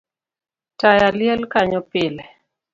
Taya liel kanyo pile